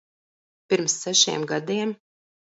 Pirms sešiem gadiem.